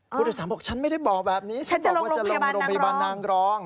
ผู้โดยสารบอกฉันไม่ได้บอกแบบนี้ฉันบอกว่าจะลงโรงพยาบาลนางรอง